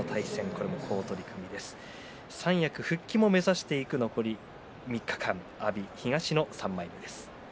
三役復帰を目指していく残り３日間阿炎、東の３枚目です。